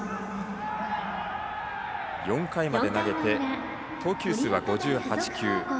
４回まで投げて投球数は５８球。